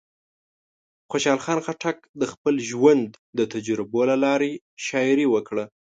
خوشحال خان خټک د خپل ژوند د تجربو له لارې شاعري وکړه.